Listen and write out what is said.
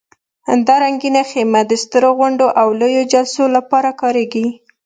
دا رنګینه خیمه د سترو غونډو او لویو جلسو لپاره کارېږي.